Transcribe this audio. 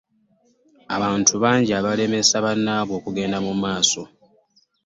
Abantu bangi abalemesa bannaabwe okugenda mu maaso.